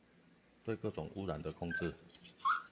對各種汙染的控制